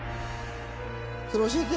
それ教えて。